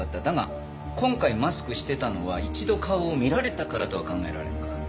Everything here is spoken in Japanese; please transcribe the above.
だが今回マスクしてたのは一度顔を見られたからとは考えられんか？